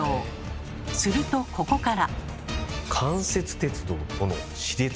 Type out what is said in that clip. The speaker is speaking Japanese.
するとここから。